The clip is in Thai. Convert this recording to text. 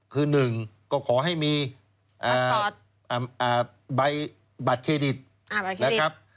คือหนึ่งก็ขอให้มีบัตรเครดิตนะครับ